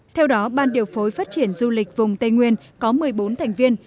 theo đó ban điều phối phát triển du lịch vùng tây nguyên có một mươi bốn thành viên